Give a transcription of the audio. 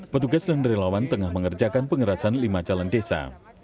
petugas dan relawan tengah mengerjakan pengerasan lima calon desa